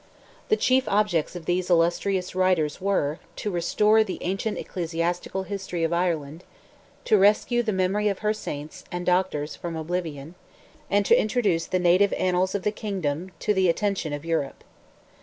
The chief objects of these illustrious writers were, to restore the ancient ecclesiastical history of Ireland, to rescue the memory of her saints and doctors from oblivion, and to introduce the native annals of the kingdom to the attention of Europe.